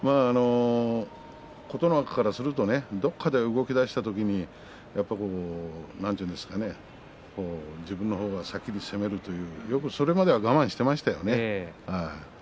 琴ノ若からするとどこかで動きだした時に自分の方が先に攻めるというそれまでよく我慢していましたよね。